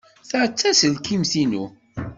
Ta d taselkimt-inu.